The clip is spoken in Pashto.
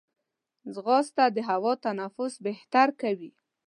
ځغاسته د هوا تنفس بهتر کوي